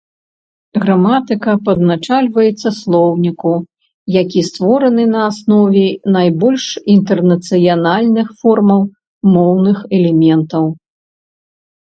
Граматыка падначальваецца слоўніку, які створаны на аснове найбольш інтэрнацыянальных формах моўных элементаў.